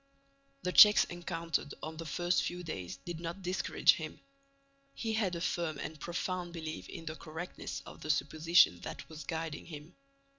The checks encountered on the first few days, did not discourage him. He had a firm and profound belief in the correctness of the supposition that was guiding him.